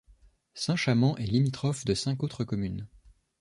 Saint-Chamant est limitrophe de cinq autres communes.